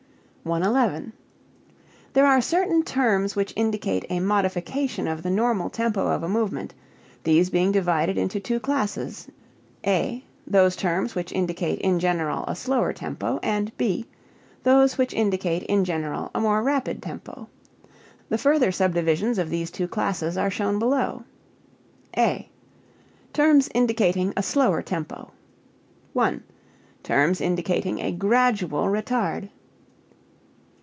111. There are certain terms which indicate a modification of the normal tempo of a movement, these being divided into two classes, (a) those terms which indicate in general a slower tempo, and (b) those which indicate in general a more rapid tempo. The further subdivisions of these two classes are shown below. (a) Terms indicating a slower tempo. 1. Terms indicating a gradual retard.